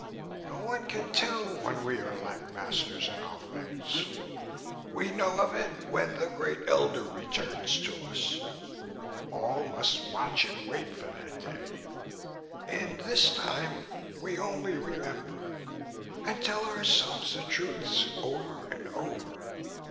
"No one can tell when we are like masters in all things. We know of it when the Great Elder returns to us. All must watch and wait for that day. In this time, we only remember and tell ourselves the truths over and over.